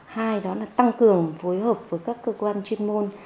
hai đó là tăng cường phối hợp với các cơ quan chuyên môn